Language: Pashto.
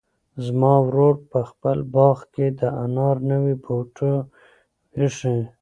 زما ورور په خپل باغ کې د انار نوي بوټي ایښي.